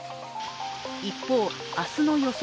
一方、明日の予想